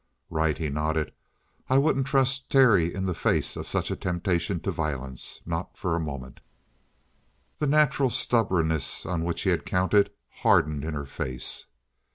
"Right," he nodded. "I wouldn't trust Terry in the face of such a temptation to violence. Not for a moment!" The natural stubbornness on which he had counted hardened in her face.